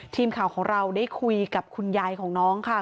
ทีมข่าวของเราได้คุยกับคุณยายของน้องค่ะ